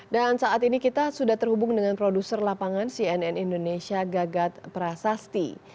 dan saat ini kita sudah terhubung dengan produser lapangan cnn indonesia gagat prasasti